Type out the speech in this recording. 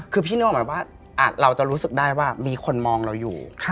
คือพี่นึกออกหมายว่าเราจะรู้สึกได้ว่ามีคนมองเราอยู่